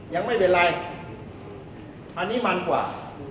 ยังไม่เป็นไรอันนี้มันกว่า